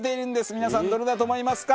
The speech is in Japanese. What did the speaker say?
皆さんどれだと思いますか？